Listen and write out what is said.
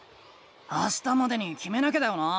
あしたまでにきめなきゃだよな？